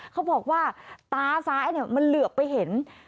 เขาบอกว่าตาซ้ายมันเหลือไปเห็น